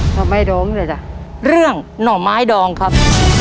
ทำไมโดมเลยจ้ะเรื่องหน่อไม้ดองครับ